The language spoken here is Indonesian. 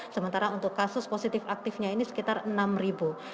sementara untuk kasus positif aktifnya ini sekitar enam ribu